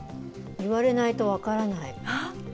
言われないと分からない。